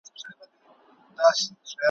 له ازله پیدا کړي خدای پمن یو ,